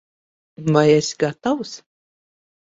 Vai esi gatavs?